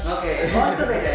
oke santan beda ya